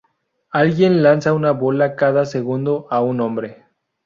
Alguien lanza una bola cada segundo a un hombre.